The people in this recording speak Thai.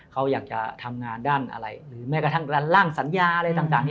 เขาอยากจะทำงานด้านอะไรหรือแม้กระทั่งด้านล่างสัญญาอะไรต่าง